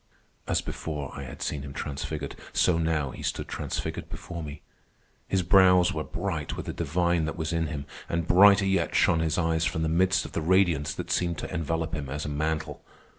As before I had seen him transfigured, so now he stood transfigured before me. His brows were bright with the divine that was in him, and brighter yet shone his eyes from the midst of the radiance that seemed to envelop him as a mantle.